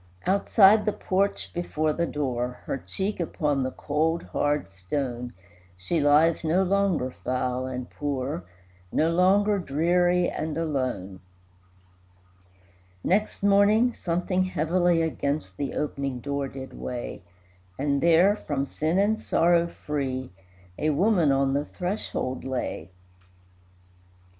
Outside the porch before the door, Her cheek upon the cold, hard stone, She lies, no longer foul and poor, No longer dreary and alone. Next morning something heavily Against the opening door did weigh, And there, from sin and sorrow free, A woman on the threshold lay.